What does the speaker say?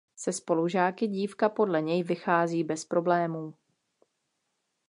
Se spolužáky dívka podle něj vychází bez problémů.